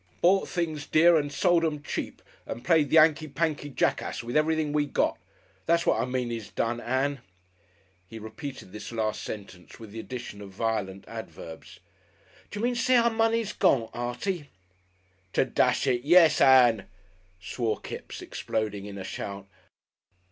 "Bort things dear and sold 'em cheap, and played the 'ankey pankey jackass with everything we got. That's what I mean 'e's done, Ann." He repeated this last sentence with the addition of violent adverbs. "D'you mean to say our money's gone, Artie?" "Ter dash it, Yes, Ann!" swore Kipps, exploding in a shout.